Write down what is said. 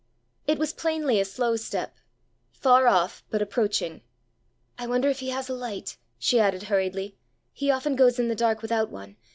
It was plainly a slow step far off, but approaching. "I wonder if he has a light!" she added hurriedly. "He often goes in the dark without one.